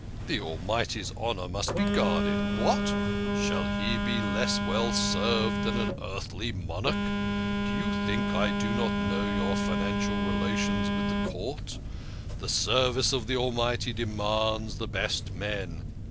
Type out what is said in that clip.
" The Almighty's honour must be guarded. What ! THE KING OF SCHNORRERS. 155 Shall He be less well served than an earthly monarch ? Do you think I do not know your financial relations with the Court? The service of the Almighty demands the best men.